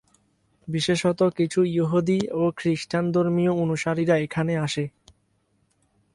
বিশেষত কিছু ইহুদী ও খ্রিস্টান ধর্মীয় অনুসারীরা এখানে আসে।